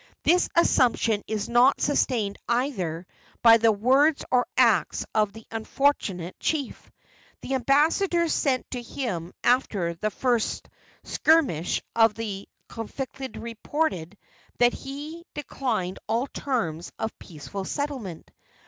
This assumption is not sustained either by the words or acts of the unfortunate chief. The ambassadors sent to him after the first skirmish of the conflict reported that he declined all terms of peaceful settlement.